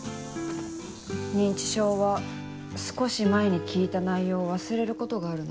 認知症は少し前に聞いた内容を忘れることがあるの。